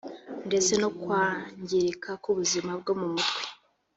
ndetse no kwangirika kw’ubuzima bwo mu mutwe